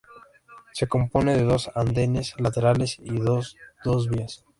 Se compone de dos andenes laterales y dos dos vías.